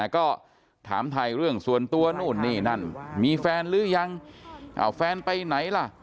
ก็ถามถ่ายเรื่องส่วนตัวนู่นนี่นั่นมีแฟนหรือยังแฟนไปไหนล่ะ